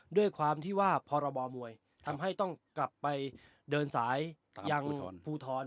ด้วยความที่ว่าพรบมวยทำให้ต้องกลับไปเดินสายยังภูทร